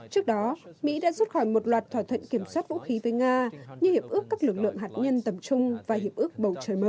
trước đó mỹ đã rút khỏi một loạt thỏa thuận kiểm soát vũ khí với nga như hiệp ước các lực lượng hạt nhân tầm trung và hiệp ước bầu trời mới